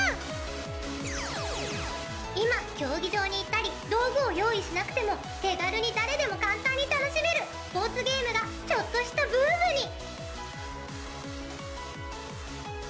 今競技場に行ったり道具を用意しなくても手軽に誰でも簡単に楽しめるスポーツゲームがちょっとしたブームに！